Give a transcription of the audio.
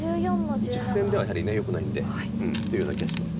実戦ではやはりよくないんで。というような気がします。